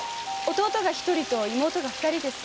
弟が一人と妹が二人です。